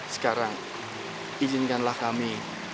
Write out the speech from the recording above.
sekarang izinkanlah kami